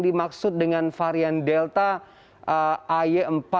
dimaksud dengan varian delta ay empat